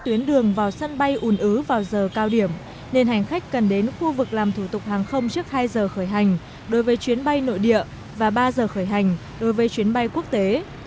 tuyến đường vào sân bay ùn ứ vào giờ cao điểm nên hành khách cần đến khu vực làm thủ tục hàng không trước hai giờ khởi hành đối với chuyến bay nội địa và ba giờ khởi hành đối với chuyến bay quốc tế